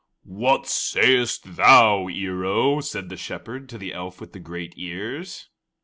"What sayest thou, Ear o?" said the Shepherd to the elf with the great ears.